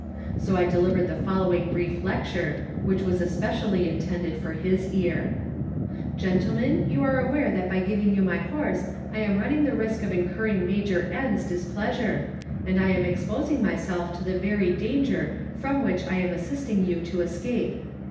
So I delivered the following brief lecture, which was especially intended for his ear: "Gentlemen, you are aware that by giving you my horse I am running the risk of incurring Major N.'s displeasure, and am exposing myself to the very danger from which I am assisting you to escape.